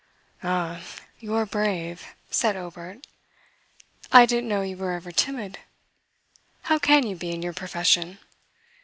"Ah, you're brave," said Obert. "I didn't know you were ever timid. How can you be, in your profession?